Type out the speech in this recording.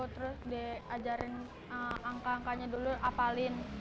terus diajarin angka angkanya dulu apalin